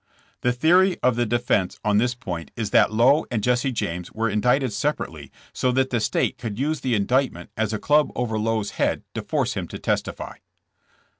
The theory of the defense on this point is that Lowe and Jesse James were indicted separately so that the state could use the indictment as a club over Lowe's head to force him to testify.